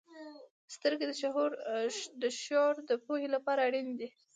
• سترګې د شعور د پوهې لپاره اړینې دي.